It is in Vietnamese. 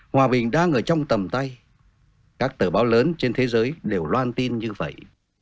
hòa bình đang ở trong tầm tay các tờ báo lớn trên thế giới đều loan tin như vậy